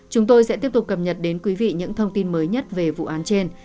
chúng tôi sẽ tiếp tục cập nhật đến quý vị những thông tin mới nhất về vụ án trên